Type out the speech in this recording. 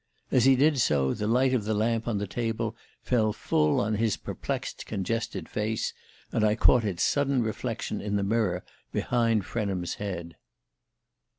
As he did so, the light of the lamp on the table fell full on his perplexed congested face, and I caught its sudden reflection in the mirror behind Frenham's head.